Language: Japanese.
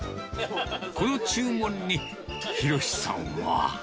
この注文に弘さんは。